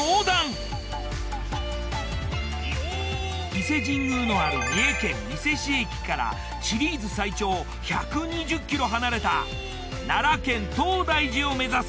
伊勢神宮のある三重県伊勢市駅からシリーズ最長１２０ｋｍ離れた奈良県東大寺を目指す